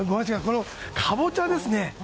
このカボチャですね。